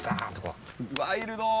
ワイルド！